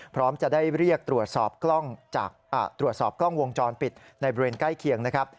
พร้อมจะได้เรียกตรวจสอบกล้องวงจรปิดในบริเวณใกล้เคียงนะครับ